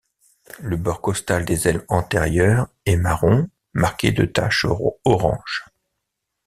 Le bord costal des ailes antérieures est marron marqué de taches orange.